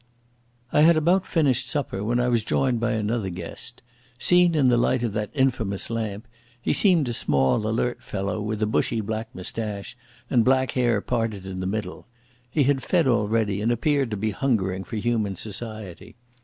I had about finished supper, when I was joined by another guest. Seen in the light of that infamous lamp, he seemed a small, alert fellow, with a bushy, black moustache, and black hair parted in the middle. He had fed already and appeared to be hungering for human society.